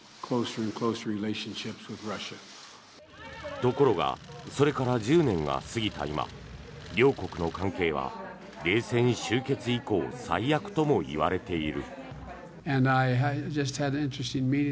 ところがそれから１０年が過ぎた今両国の関係は冷戦終結以降最悪とも言われている。